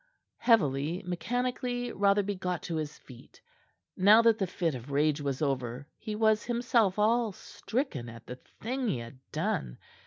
Heavily, mechanically, Rotherby got to his feet. Now that the fit of rage was over, he was himself all stricken at the thing he had done.